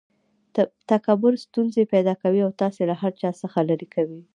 تکبر ستونزي پیدا کوي او تاسي له هر چا څخه ليري کوي.